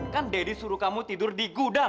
kan deddy suruh kamu tidur di gudang